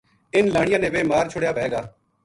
اِنھ لانیاں نے ویہ مار چھُڑیا وھے گا